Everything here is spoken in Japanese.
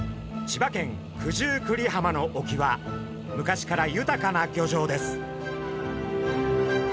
千葉県九十九里浜の沖は昔から豊かな漁場です。